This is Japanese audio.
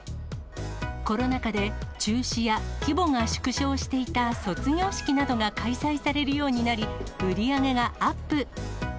コロナ禍で中止や規模が縮小していた卒業式などが開催されるようになり、売り上げがアップ。